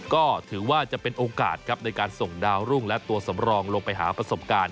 ก็ถือว่าจะเป็นโอกาสครับในการส่งดาวรุ่งและตัวสำรองลงไปหาประสบการณ์